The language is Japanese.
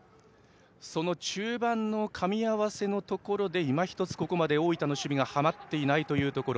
その中盤のかみ合わせのところで今ひとつここまで大分の守備がはまっていないというところ。